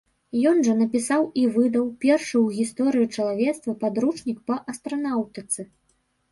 Ён жа напісаў і выдаў першы ў гісторыі чалавецтва падручнік па астранаўтыцы.